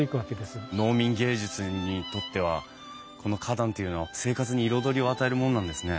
農民藝術にとってはこの花壇っていうのは生活に彩りを与えるもんなんですね。